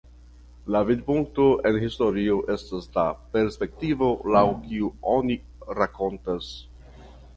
La vidpunkto en historio estas la perspektivo laŭ kiu oni rakontas.